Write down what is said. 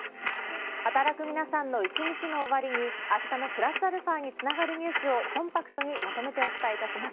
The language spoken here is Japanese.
働く皆さんの一日の終わりにあしたのプラスαにつながるニュースをコンパクトにまとめてお伝えいたします。